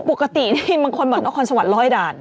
ปกตินี่มันคอนวัลคอนสวรรค์ร้อยด่าน